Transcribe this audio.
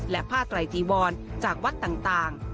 และผ้าไตรจีวรจากวัดต่าง